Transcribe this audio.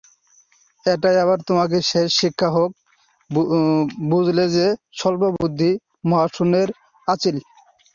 এটাই আমার তোমাকে শেষ শিক্ষা হোক, বুঝলে হে স্বল্পবুদ্ধি মহাশূন্যের আঁচিল।